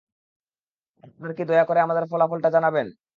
আপনি কি দয়া করে আমাদের ফলাফলটা জানাবেন?